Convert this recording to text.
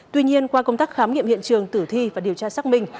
tuy nhiên qua công tác khám nghiệm hiện trường tử thi và điều tra xác minh